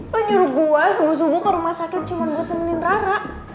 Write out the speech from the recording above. kan nyuruh gua subuh subuh ke rumah sakit cuma buat temenin rara